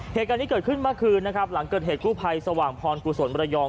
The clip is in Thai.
เหตุการณ์นี้เกิดขึ้นเมื่อคืนนะครับหลังเกิดเหตุกู้ภัยสว่างพรกุศลมระยอง